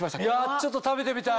ちょっと食べてみたい。